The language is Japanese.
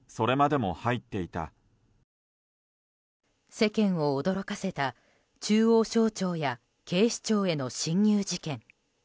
世間を驚かせた中央省庁や警視庁への侵入事件。